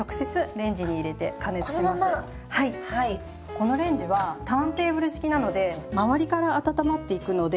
このレンジはターンテーブル式なので周りから温まっていくので。